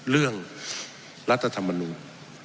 เรื่องรัฐธรรมนุม